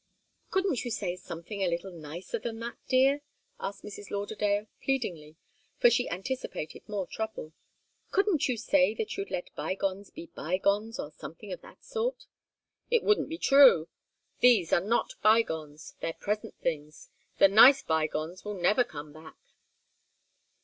"Couldn't you say something a little nicer than that, dear?" asked Mrs. Lauderdale, pleadingly, for she anticipated more trouble. "Couldn't you say that you'd let by gones be by gones or something of that sort?" "It wouldn't be true. These are not by gones. They're present things. The nice by gones will never come back."